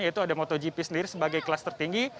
yaitu ada motogp sendiri sebagai kelas tertinggi